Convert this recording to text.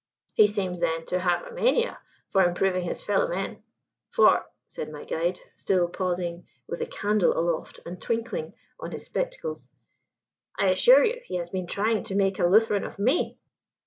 "He seems, then, to have a mania for improving his fellow men; for," said my guide, still pausing with the candle aloft and twinkling on his spectacles, "I assure you he has been trying to make a Lutheran of _me!